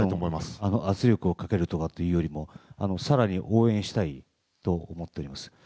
もちろん圧力をかけるというかというよりも更に応援したいと思っております。